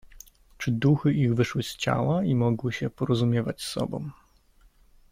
"Czy duchy ich wyszły z ciała i mogły się porozumiewać z sobą."